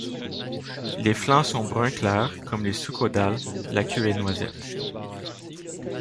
Les flancs sont brun clair comme les sous-caudales, la queue est noisette.